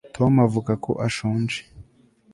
tom avuga ko ashonje